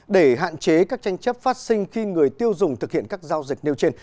để hạn chế các tranh chấp phát sinh khi người tiêu dùng thực hiện các giao dịch nêu trên